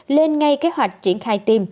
lên ngay kế hoạch